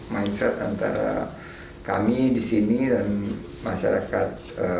mindset antara kami di sini dan masyarakat